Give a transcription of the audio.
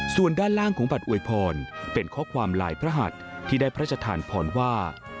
ส่วนด้านล่างของบัตรอวยพรเป็นข้อความลายพระหัสที่ได้พระชธานพรว่า